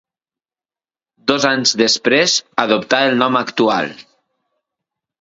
Dos anys després adoptà el nom actual.